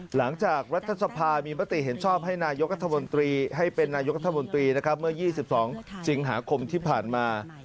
หลังจากรัฐสภามีมติเห็นชอบให้นายกรัฐมนตรีให้เป็นนายกรัฐมนตรีนะครับเมื่อ๒๒สิงหาคมที่ผ่านมา